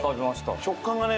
食感がね